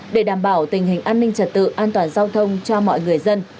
để đảm bảo tình hình an ninh trật tự an toàn giao thông cho mọi người dân